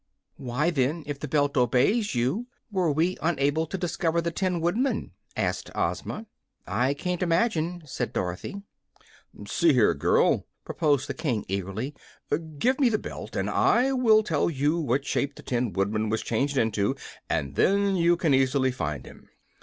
"Why, then, if the belt obeys you, were we unable to discover the Tin Woodman?" asked Ozma. "I can't imagine," said Dorothy. "See here, girl," proposed the King, eagerly; "give me the belt, and I will tell you what shape the Tin Woodman was changed into, and then you can easily find him."